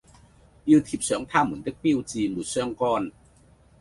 要貼上它們的標誌沒相干